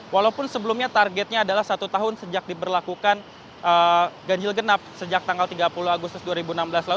walaupun sebelumnya targetnya adalah satu tahun sejak diberlakukan ganjil genap sejak tanggal tiga puluh agustus dua ribu enam belas lalu